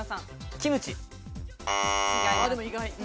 キムチ。